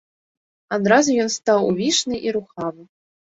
Адразу ён стаў увішны і рухавы.